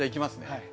はい。